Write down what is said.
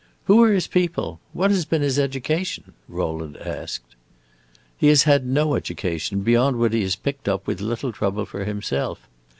"Who are his people? what has been his education?" Rowland asked. "He has had no education, beyond what he has picked up, with little trouble, for himself.